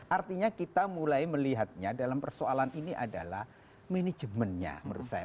artinya kita mulai melihatnya dalam persoalan ini adalah manajemennya menurut saya